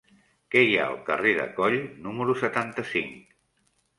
Què hi ha al carrer de Coll número setanta-cinc?